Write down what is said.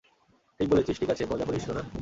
ঠিক বলেছিস, ঠিক আছে, মজা করিস, সোনা।